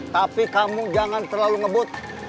tapi kamu jangan terlalu ngebut